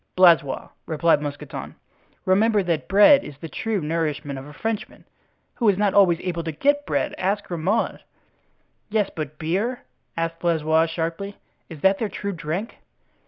"Blaisois," replied Mousqueton, "remember that bread is the true nourishment of a Frenchman, who is not always able to get bread, ask Grimaud." "Yes, but beer?" asked Blaisois sharply, "is that their true drink?"